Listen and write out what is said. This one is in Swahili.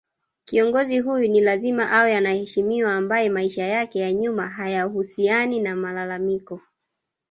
Kiongozi huyu ni lazima awe anaheshimiwa ambaye maisha yake ya nyuma hayahusiani na malalamiko